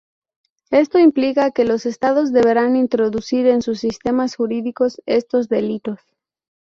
Esto implica que los Estados deberán introducir en sus sistemas jurídicos estos delitos.